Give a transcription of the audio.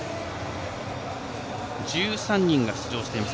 １３人が出場しています。